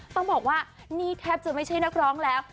ต้องบอกว่านี่แทบจะไม่ใช่นักร้องแล้ว